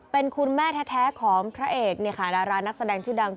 เป็นคุณแม่แท้ของพระเอกดารานักแสดงชื่อดัง